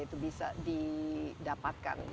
itu bisa didapatkan